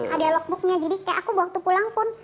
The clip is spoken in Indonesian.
ada lockbook nya jadi kayak aku waktu pulang pun